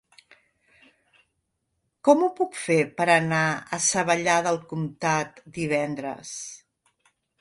Com ho puc fer per anar a Savallà del Comtat divendres?